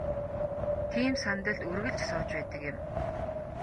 Тийм сандалд үргэлж сууж байдаг юм.